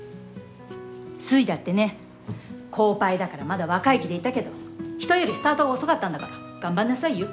粋だってねコーパイだからまだ若い気でいたけど人よりスタートが遅かったんだから頑張りなさいよ！